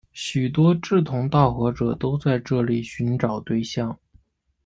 许多志同道合者都在这里寻找对象。